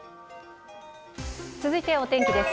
続いてはお天気です。